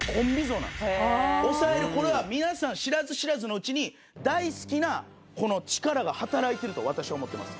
抑えるこれは皆さん知らず知らずのうちに大好きなこの力が働いてると私は思ってます。